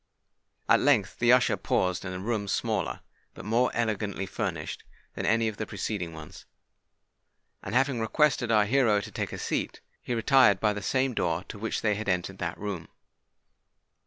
At length the usher paused in a room smaller, but more elegantly furnished, than any of the preceding ones; and, having requested our hero to take a seat, he retired by the same door by which they had entered that room.